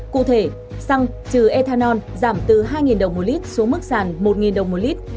cụ thể xăng trừ ethanol giảm từ hai đồng một lít xuống mức sàn một đồng một lít